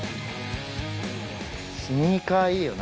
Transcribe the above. スニーカーいいよな